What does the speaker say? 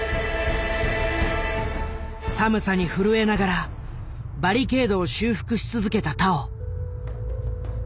寒さに震えながらバリケードを修復し続けた田尾。